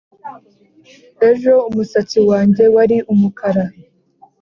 ejo umusatsi wanjye wari umukara.